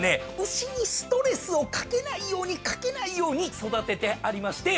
牛にストレスをかけないようにかけないように育ててありまして。